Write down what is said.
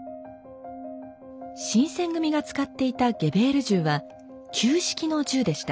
新選組が使っていたゲベール銃は旧式の銃でした。